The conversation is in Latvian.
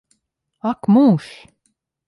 Ak mūžs!